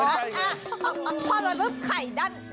เพราะว่าไข่ด้านบนลงล่างเลยทันดี